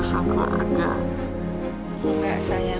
tidak ada yang membuat nasional